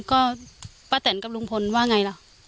ก็ป้าแต่นกับรุงพลนินว่าไง